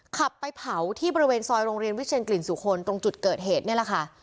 ขับไปเผาที่บริเวณซอยโรงเรียนวิเชียนกลิ่นสุคลตรงจุดเกิดเหตุนี่แหละค่ะ